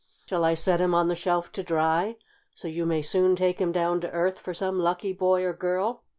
"Shall I set him on the shelf to dry, so you may soon take him down to Earth for some lucky boy or girl?"